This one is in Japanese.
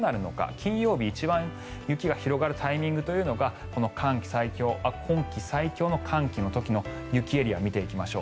金曜日、一番雪が広がるタイミングというのは今季最強の寒気の時の雪エリアを見ていきましょう。